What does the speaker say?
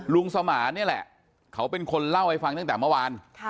สมานนี่แหละเขาเป็นคนเล่าให้ฟังตั้งแต่เมื่อวาน